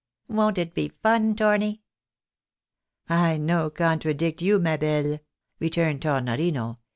Won't it be fun, Torni ?" "I no contradict you, ma belle," returned Tornorino.